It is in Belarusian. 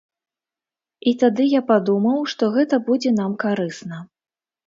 І тады я падумаў, што гэта будзе нам карысна.